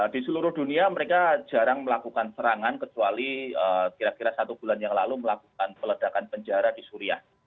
di seluruh dunia mereka jarang melakukan serangan kecuali kira kira satu bulan yang lalu melakukan peledakan penjara di suriah